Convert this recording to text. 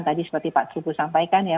tadi seperti pak trubus sampaikan ya